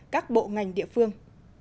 các bộ ngành địa phương